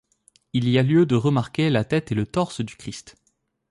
Il y a lieu de remarquer la tête et le torse du Christ.